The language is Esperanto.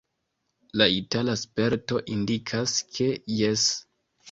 La itala sperto indikas, ke jes.